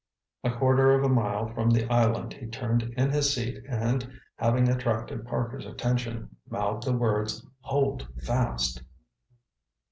A quarter of a mile from the island, he turned in his seat, and having attracted Parker's attention, mouthed the words—"_Hold fast!